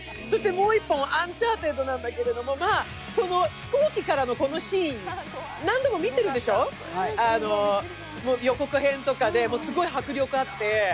そしてもう一本、「アンチャーテッド」なんだけれども飛行機から飛ぶシーン、何度も見てるでしょ、予告編とかで、すごい迫力あって。